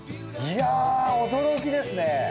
いや驚きですね。